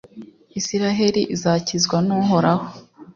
israheli izakizwa n’uhoraho,